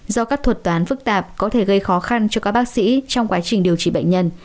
do các thuật toán phức tạp có thể gây khó khăn cho các bác sĩ trong quá trình điều trị bệnh nhân